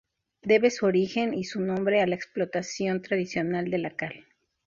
Debe su origen y su nombre a la explotación tradicional de la cal.